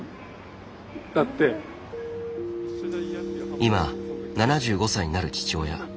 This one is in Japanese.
今７５歳になる父親。